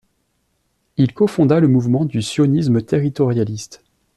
Il cofonda le mouvement du Sionisme Territorialiste.